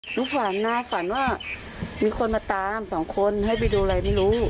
ฝันนะฝันว่ามีคนมาตามสองคนให้ไปดูอะไรไม่รู้